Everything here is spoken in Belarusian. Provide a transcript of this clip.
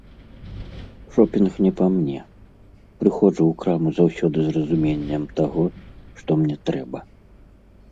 Шопінг не па мне, прыходжу ў краму заўсёды з разуменнем таго, што мне трэба.